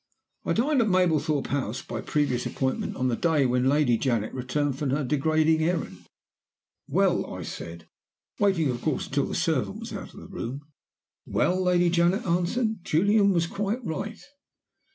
"I dined at Mablethorpe House, by previous appointment, on the day when Lady Janet returned from her degrading errand. "'Well?' I said, waiting, of course, until the servant was out of the room. "'Well,' Lady Janet answered, 'Julian was quite right.